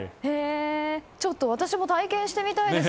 ちょっと、私も体験してみたいです。